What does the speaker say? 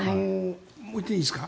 もう１点いいですか。